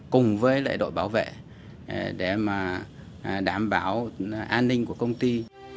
cùng với đội bảo vệ để đảm bảo an ninh của công ty